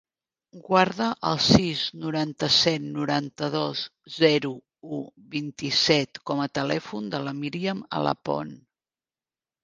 Guarda el sis, noranta-set, noranta-dos, zero, u, vint-i-set com a telèfon de la Míriam Alapont.